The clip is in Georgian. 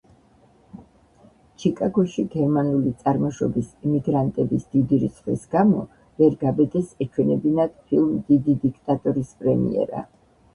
ჩიკაგოში გერმანული წარმოშობის ემიგრანტების დიდი რიცხვის გამო ვერ გაბედეს ეჩვენებინათ ფილმ „დიდი დიქტატორის“ პრემიერა.